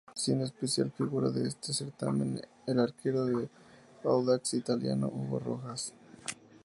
Siendo especial figura de este certamen el arquero de Audax Italiano "Hugo Rojas"